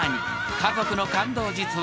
［家族の感動実話